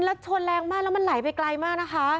แล้วชนแรงมากแล้วมันไหลไปไกลมากนะคะ